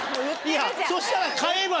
そしたら。